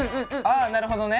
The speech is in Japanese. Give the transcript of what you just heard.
ああなるほどね。